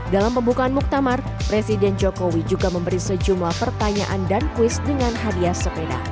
dalam pembukaan muktamar presiden jokowi juga memberi sejumlah pertanyaan dan kuis dengan hadiah sepeda